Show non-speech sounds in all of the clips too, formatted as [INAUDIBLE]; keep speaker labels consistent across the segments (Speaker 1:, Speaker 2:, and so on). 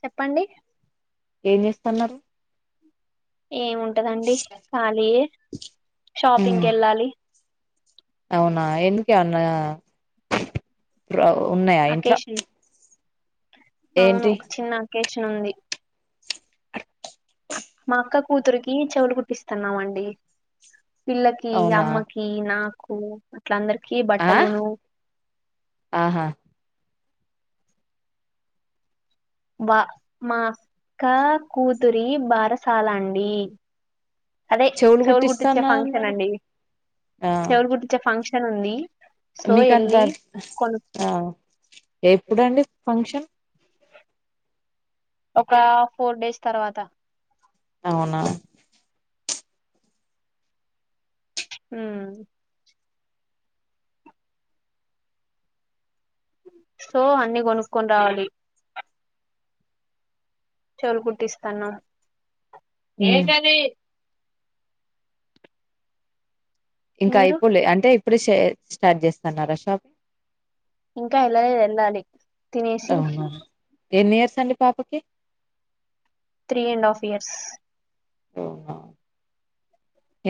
Speaker 1: చెప్పండి.
Speaker 2: ఏం చేస్తున్నారు?
Speaker 1: ఏముంటదండి కాలియే షాపింగ్
Speaker 2: ఉమ్
Speaker 1: కెళ్ళాలి.
Speaker 2: అవునా ఎందుకే అన్నా ఉన్నయా ఇంట్లో
Speaker 1: అకేషన్ అవును
Speaker 2: ఏంటి
Speaker 1: ఒక చిన్న అకేషన్ ఉంది. మా అక్క కూతురికి చెవులు కుట్టిస్తున్నామండి. పిల్లకి,
Speaker 2: అవునా
Speaker 1: అమ్మకి, నాకు ఇట్ల అందర్కి
Speaker 2: ఆ
Speaker 1: బట్టలును
Speaker 2: ఆహా
Speaker 1: వా మా కా కూతురి బారసాలా అండి అదే చెవులు కుట్టిచ్చే ఫంక్షన్ అండి
Speaker 2: ఆ
Speaker 1: చెవులు కుట్టిచ్చే ఫంక్షన్ ఉంది సో
Speaker 2: మీకంత
Speaker 1: ఎళ్ళి కొను
Speaker 2: ఆ ఎప్పుడండి ఫంక్షన్
Speaker 1: ఒకా ఫోర్ డేస్ తర్వాత
Speaker 2: అవునా
Speaker 1: హ్మ్ సో అన్ని కొనుక్కోన్ రావాలి. చెవులు కుట్టిస్తాన్నం.
Speaker 2: ఉమ్ ఇంకా
Speaker 1: మీరు
Speaker 2: అయిపోలే అంటే ఇప్పుడే స్టార్ట్ చేస్తున్నారా షాప్
Speaker 1: ఇంకా ఎల్లలేద్ ఎళ్ళాలి తినేసి
Speaker 2: అవునా ఎన్ని ఇయర్స్ అండి పాపకి
Speaker 1: త్రీ అండ్ హాఫ్ ఇయర్స్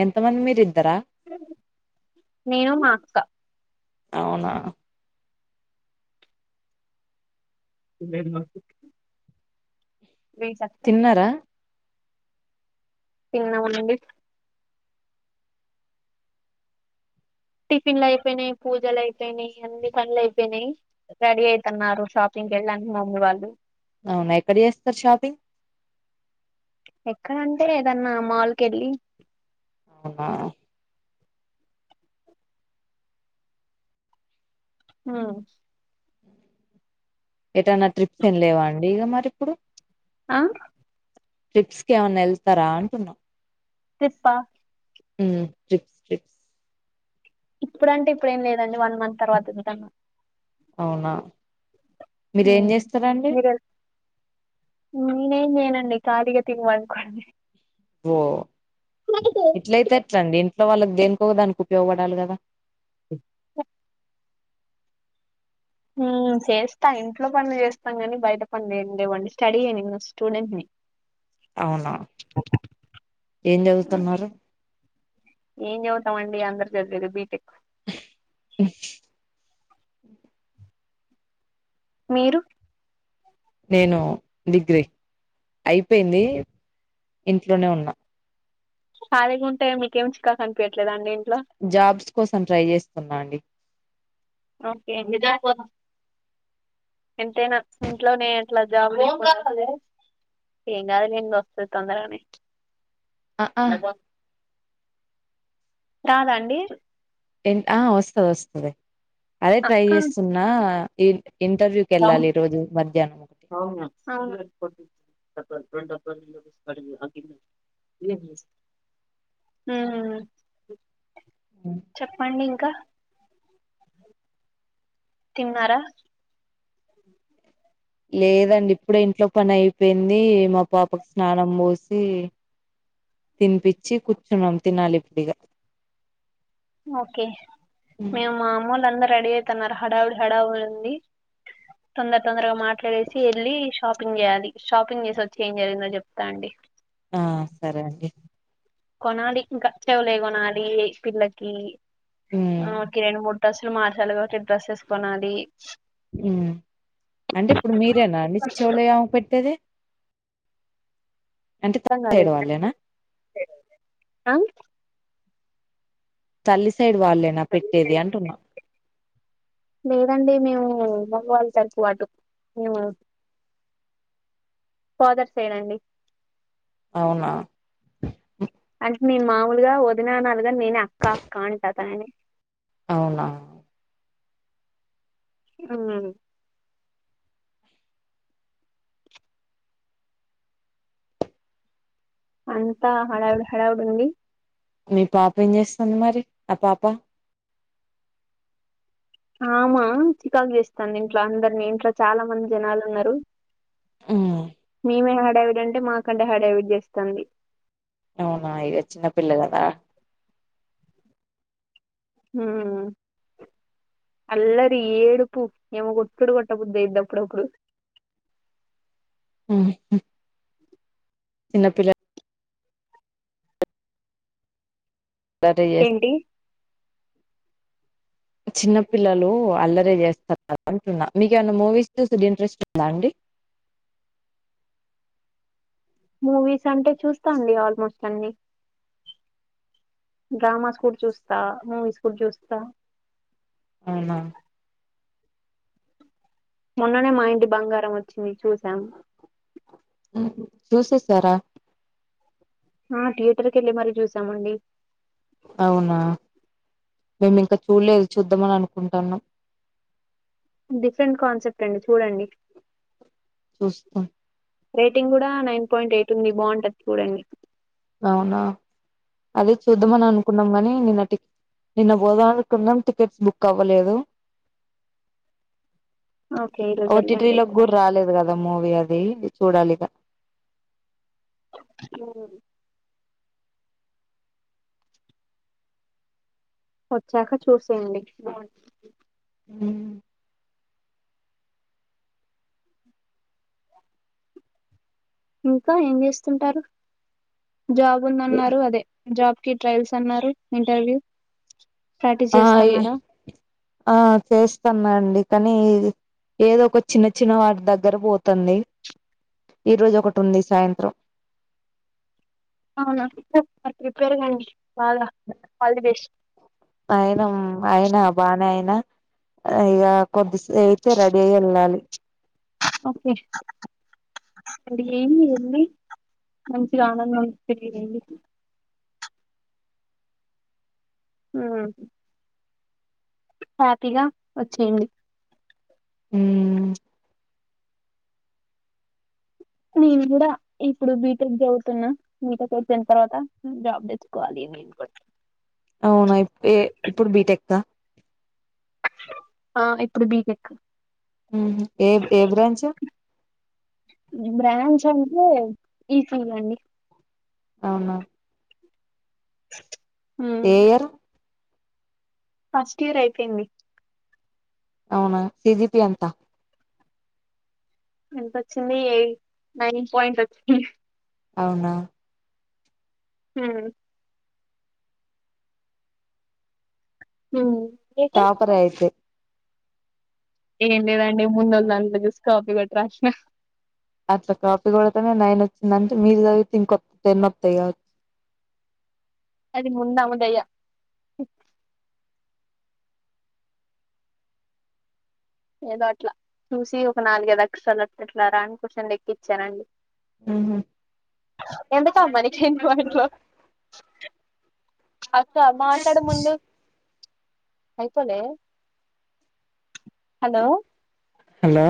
Speaker 2: ఎంత మంది మీరిద్దరా
Speaker 1: నేను మా అక్కా
Speaker 2: అవునా
Speaker 1: లే
Speaker 2: తిన్నరా?
Speaker 1: తిన్నామండి టిఫిన్లైపోయినయి, పూజలైయిపోయినయి అన్ని పనులు అయిపోయినయి రెడీ అయితున్నారు షాపింగ్ ఇంకెళ్ళా మమ్మీ వాళ్ళు
Speaker 2: అవున ఎక్కడ చేస్తారు షాపింగ్
Speaker 1: ఎక్కడంటే ఏదన్నా మాల్ కెళ్ళి
Speaker 2: అవునా?
Speaker 1: హా
Speaker 2: ఏటైనా ట్రిప్స్ ఏమి లేవా అండి ఇక మరి ఇప్పుడు
Speaker 1: ఆ
Speaker 2: ట్రిప్స్ కి ఏమైన్నా వెళ్తారా అంటున్నా?
Speaker 1: ట్రిప్పా
Speaker 2: ఉమ్ ట్రిప్పే
Speaker 1: ఇప్పుడంటే ఇప్పుడు ఏం లేదండి వన్ మంత్ తర్వాత వెళ్తాను
Speaker 2: అవునా? మీరేం
Speaker 1: ఉమ్
Speaker 2: చేస్తారండి
Speaker 1: మీర్ ఎల్ నీనేం చెయ్యనండి తాడీగా తిన్ పన్కోండి
Speaker 2: ఓ ఇట్లైతే ఎట్లండి ఇంట్లో వాళ్ళకి దేనికో ఒక దానికి ఉపయోగపడాలి కదా?
Speaker 1: ఉమ్ చేస్తా ఇంట్లో పనులు చేస్తాం కాని బయట పనులు ఏం లేవండి స్టడీయే నింగా స్టూడెంట్ ని
Speaker 2: అవునా ఏం చదువుతున్నారు?
Speaker 1: ఏం చదువుతాం అండి అందరు చదివేది బీటెక్
Speaker 2: అ
Speaker 1: మీరు?
Speaker 2: నేను డిగ్రీ ఐపేంది ఇంట్లోనే ఉన్నా.
Speaker 1: ఖాలీగా ఉంటే మీకేం చికాక్ అనిపియట్లేదా అండి ఇంట్
Speaker 2: జాబ్స్ కోసం ట్రై చేస్తున్నా అండి
Speaker 1: ఓకే అండి ఎంతైనా ఇంట్లోనే అట్లా జాబ్ చేస్ ఏంగాద్ లే అండి వస్తది తొందరగానేే
Speaker 2: అ ఆ
Speaker 1: రాద అండి
Speaker 2: ఎం ఆ వస్తది వస్తది అదే ట్రై చేస్తున్నా ఈ ఇంటర్వ్యూకి వెళ్ళాలి
Speaker 1: [UNINTELLIGIBLE] అవును
Speaker 2: ఈ రోజు మధ్యాహ్నం ఒకటి
Speaker 1: అవును [INAUDIBLE] ఉహ్మ్ చెప్పండి ఇంకా? తిన్నారా?
Speaker 2: లేదండి ఇప్పుడే ఇంట్లో పని ఐపేయింది మా పాపకు స్నానం పోసి తిన్పిచ్చి కూర్చున్నాం తినాలి ఇప్పుడిగా
Speaker 1: ఓకే మేము మామూలు అంద రెడీ ఐ తున్నారు హడావుడి హడావుడి ఉంది తొందర తొందరగా మాట్లాడేసి వెళ్ళి షాప్ షాపింగ్ చేయాలి షాపింగ్ చేసి వచ్చి ఏం జరిగిందో చెప్తా అండి.
Speaker 2: ఆ సరే అండి.
Speaker 1: కొనాలి ఇంకా చెవులీ కొనాలి పిల్లకి
Speaker 2: ఉమ్
Speaker 1: రెండు మూడు డ్రస్లు మార్చాలి కాబట్టి డ్రెస్సెస్ కొనాలి
Speaker 2: ఉమ్ అంటే ఇప్పుడు మీరేనా అండి చెవులే ఆమెకు పెట్టేది అంటే
Speaker 1: అర్థం
Speaker 2: తల్లి సైడ్
Speaker 1: కాలేదు
Speaker 2: వాళ్ళేనా
Speaker 1: ఆ
Speaker 2: తల్లి సైడ్ వాళ్ళేనా పెట్టేది అంటున్నా?
Speaker 1: ఉమ్ అమ్మ వాల్ తరపు అటు ఫాదర్ సైడ్ అండి
Speaker 2: అవునా
Speaker 1: అంటే మీరు మాములుగా వదిననాలిగా నేనే అక్క అక్క అంట తనని
Speaker 2: అవునా
Speaker 1: [UNINTELLIGIBLE] అంతా హడావిడి హడావిడి ఉంది
Speaker 2: మీ పాప ఏం చేస్తుంది మరి ఆ పాప
Speaker 1: ఆమా చికాకు చేస్తాంది ఇంట్లా అందరిని ఇంట్లో చాలా మంది జనాలు ఉన్నారు
Speaker 2: హ్మ్
Speaker 1: మేమే హడావిడి అంటే మాకంటే హడావిడి చేస్తాంది
Speaker 2: అవునా ఇక చిన్నపిల్లగద
Speaker 1: ఆ అల్లరి ఏడుపు యమ కొట్డుడు కొట్టబద్దైద్ది అప్పుడప్పుడు
Speaker 2: [UNINTELLIGIBLE] [UNINTELLIGIBLE] చిన్నపిల్ల [UNINTELLIGIBLE]
Speaker 1: ఏంటి
Speaker 2: చిన్న పిల్లలు అల్లరే చేస్తారు అంటున్నా మీకు ఏమనా మూవీస్ చూసుడు ఇంట్రెస్ట్ ఉందా అండి [UNINTELLIGIBLE]
Speaker 1: మూవీస్ అంటే చూస్తా అండి ఆల్మోస్ట్ అన్ని డ్రామాస్ కూడా చూస్తా మూవీస్ కూడా చూస్తా
Speaker 2: అవునా
Speaker 1: మొన్ననే మా ఇంటి బంగారం వచ్చింది చూసా
Speaker 2: చూసేసారా
Speaker 1: ఆ థియేటర్కి యెళ్ళి మరీ చూసామండి
Speaker 2: అవునా మేము ఇంకా చూడలేదు చూద్దామని అనుకుంటున్నాం
Speaker 1: డిఫరెంట్ కాన్సెప్ట్ అండి చూడండి
Speaker 2: చూస్తా
Speaker 1: రేటింగ్ కూడా నైన్ పాయింట్ ఎయిట్ ఉంది బాగుంటది చూడండి
Speaker 2: అవునా అదే చూద్దామని అనుకున్నాం కాని నిన్న నిన్న బోదామనుకున్నాం టికెట్స్ బుక్ అవ్వలేదు
Speaker 1: ఓకే ఈ రోజు
Speaker 2: ఓటీటీ
Speaker 1: వెళ్ళండి
Speaker 2: లోకి
Speaker 1: అయితే
Speaker 2: కూడా రాలేదు కదా మూవీ అది చూడాలిగా
Speaker 1: హ్మ్ వచ్చాక చూసేయండి
Speaker 2: హ్మ్
Speaker 1: ఇంకా ఏం చేస్తుంటారు జాబ్
Speaker 2: ఏ
Speaker 1: ఉందన్నారు అదే జాబ్ కి ట్రయల్స్ అన్నారు ఇంటర్వ్యూ ప్రాక్టీస్
Speaker 2: ఆ
Speaker 1: చేస్తున్నారా
Speaker 2: ఆ చేస్తాన్నా అండి కానీ ఏదో ఒక చిన్న చిన్న వాటి దగ్గర పోతంది ఈ రోజు ఒకటి ఉంది సాయంత్రం
Speaker 1: అవునా మరి ప్రిపేర్ కాండి
Speaker 2: అయనా అయినా బానే అయినా ఇగ కొద్దిసేపయితే రెడీ అయి వెళ్ళాలి
Speaker 1: ఓకే అంటే ఏం లేండి మంచిగా అనందంగా తెడి ఆ హ్యాపీగా వచ్చేయండి
Speaker 2: ఊ
Speaker 1: నేను కూడా ఇప్పుడు బీటెక్ చదువుతున్నా బీటెక్ అయిపోయిన తర్వాత జాబ్ తెచ్చుకోవాలి కొ
Speaker 2: అవునా ఇప్ ఏ ఇప్పుడు బీటెక్
Speaker 1: ఆ ఇప్పుడు బీటెక్
Speaker 2: ఉ ఏ ఏ బ్రాంచు
Speaker 1: బ్రాంచ్ అంటే ఈ సీ ఈ అండి
Speaker 2: అవునా
Speaker 1: ఊ
Speaker 2: ఏ ఇయర్
Speaker 1: ఫస్ట్ ఇయర్ అయిపోయింది
Speaker 2: అవునా సిజిపి ఎంత
Speaker 1: ఎంతొచ్చింది ఎయి నైన్ పాయింట్ వచ్చింది
Speaker 2: అవునా
Speaker 1: ఉ ఉ
Speaker 2: టాపర్ అయితే
Speaker 1: ఏం లేదండి ముందొళ్ళ దాంలో చూసి కాపీ కొట్టి రాసిన
Speaker 2: అట్ల కాపీ కోడుతేనె నైన్ వచ్చిందంటే మీరు చదివితే ఇంకొ టెన్ వస్తాయి కావ ఆ
Speaker 1: ముందామ దయ ఏదో అట్లా చూసి ఒక నాలుగై అక్షరాలు అట్లట్ల రాని క్వశ్చన్లు ఎక్కిచ్చానండి
Speaker 2: ఉహు
Speaker 1: ఎందుకమ్మా నికి ఇన్ని మంటలు అక్క మాట్లాడు ముందు అయిపోలే హలో
Speaker 2: హలో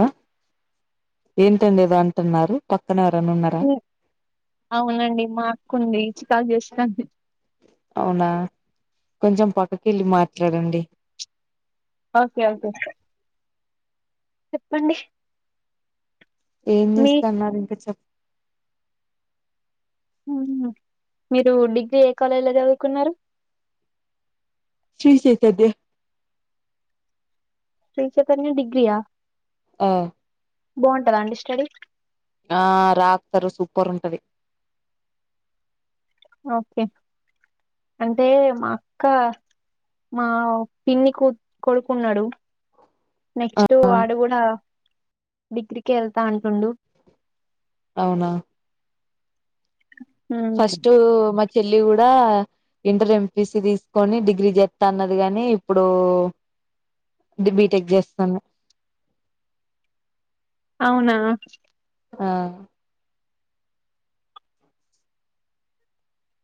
Speaker 2: ఏంటండి ఏదో అంటున్నారు పక్
Speaker 1: అవునండి మా అక్క ఉంది చికాకు చేస్తాంది
Speaker 2: అవునా కొంచెం పక్కకి వెళ్ళి మాట్లాడండి
Speaker 1: ఓకే ఓకే చెప్పండి
Speaker 2: ఏం
Speaker 1: మీ
Speaker 2: చేస్తన్నారు ఇంకా చెప్
Speaker 1: మీరు డిగ్రీ ఏ కాలేజీలో చదువుకున్నారు
Speaker 2: శ్రీ చైతత్య
Speaker 1: శ్రీ చైతన్య డిగ్రీ యా
Speaker 2: ఆ
Speaker 1: బాగుంటదా అండి స్టడీ
Speaker 2: ఆ రాతారు సూపర్ ఉంటది
Speaker 1: ఓకే అంటే మా అక్క మా పిన్ని కు కొడుకున్నాడు నెక్స్ట్
Speaker 2: ఆ
Speaker 1: వాడు కూడా డిగ్రీకి వెళ్తా అంటుండు
Speaker 2: అవునా ఫస్ట్ మ చెల్లి కూడా ఇంటర్ ఎంపిసి తీసుకొని డిగ్రీ చేత్త అన్నది గాని ఇప్పుడు బిటేక్ చేతంది
Speaker 1: అవునా
Speaker 2: ఆ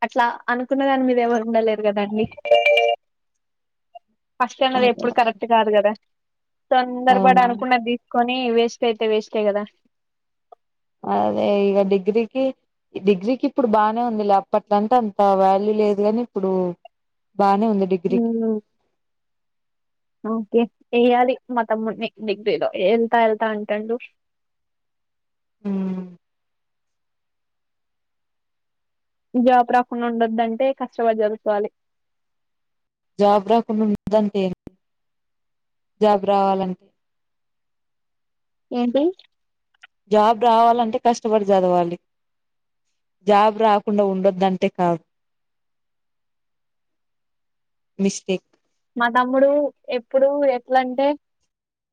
Speaker 1: అట్లా అనుకున్నదాని మీద ఎవరు ఉండలేరు కదండి ఫస్ట్ అన్నది ఎప్పుడు కరెక్ట్ కాదు కదా తొందర పడి
Speaker 2: అవునా
Speaker 1: అనుకునంది కొని వేస్ట్ అయితే వెస్ట్ కదా
Speaker 2: అదే ఇగా డిగ్రీకి డిగ్రీకి ఇప్పుడు బాగానే ఉంది లే అప్పట్ల అంటే అంత వ్యల్యూ లేదు గాని ఇప్పుడు బానే ఉంది డిగ్రీకి
Speaker 1: అవునా ఓకే ఏయ్యాలి మ తమ్ముడు మిక్ మిడ్డిలో ఎల్త్త ఎల్త్త అంటండు
Speaker 2: మ్
Speaker 1: జాబ్ రాకుండా ఉండోదంటే కష్టపడి చదువుకోవాలి
Speaker 2: జాబ్ రాకుండా ఉన్ జాబ్ రావాలంటే
Speaker 1: ఏంటి
Speaker 2: జాబ్ రావాలంటే కష్టపడి చదవాలి జాబ్ రాకుండా ఉండొదంటే కాదు మిస్టేక్
Speaker 1: మా తమ్ముడు ఎప్పుడు ఎట్లంటే